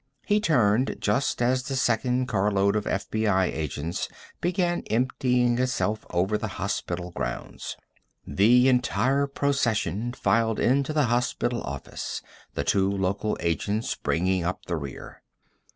He turned just as the second carload of FBI agents began emptying itself over the hospital grounds. The entire procession filed into the hospital office, the two local agents bringing up the rear.